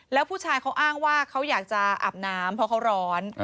แล้วผู้ชายเขาอ้างว่าเขาอยากจะอาบน้ำเพราะเขาร้อน